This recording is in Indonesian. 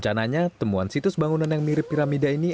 rencananya temuan situs bangunan yang mirip piramida ini